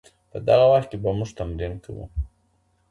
په دغه وخت کي به موږ تمرین کوو.